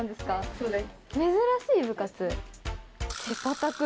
そうです。